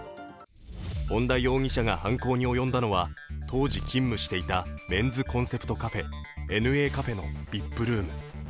本田容疑者が犯行に及んだのは当時勤務をしていたメンズコンセプトカフェ、ＮＡカフェのＶＩＰルーム。